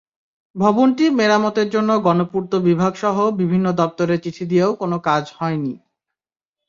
ভবনটি মেরামতের জন্য গণপূর্ত বিভাগসহ বিভিন্ন দপ্তরে চিঠি দিয়েও কোনো কাজ হয়নি।